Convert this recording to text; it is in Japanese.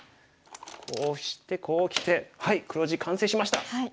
こうしてこうきてはい黒地完成しました。